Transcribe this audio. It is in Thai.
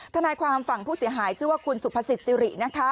ทนายความฝั่งผู้เสียหายชื่อว่าคุณสุภสิทธิสิรินะคะ